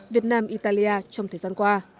việt nam italia trong thời gian qua